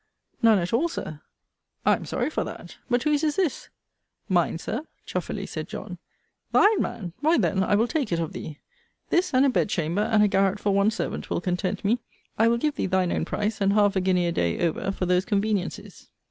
None at all, Sir. I am sorry for that. But whose is this? Mine, Sir, chuffily said John. Thine, man! why then I will take it of thee. This, and a bed chamber, and a garret for one servant, will content me. I will give thee thine own price, and half a guinea a day over, for those conveniencies.